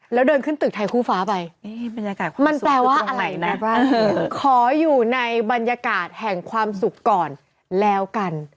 แล้วเดินขึ้นตึกไทยคู่ฟ้าไปมันแปลว่าอะไรนะขออยู่ในบรรยากาศแห่งความสุขก่อนแล้วกัน